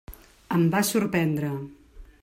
Em va sorprendre.